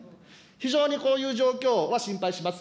非常にこういう状況は心配します。